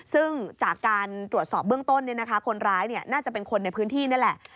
ซึ่งจากการตรวจสอบเบื้องต้นคนร้ายน่าจะเป็นคนในพื้นที่นี่แหละ